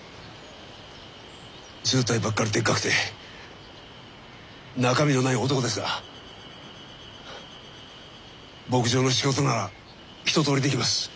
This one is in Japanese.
ずうたいばっかりでっかくて中身のない男ですが牧場の仕事なら一とおりできます。